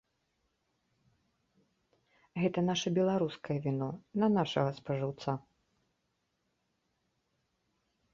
Гэта наша беларускае віно, на нашага спажыўца.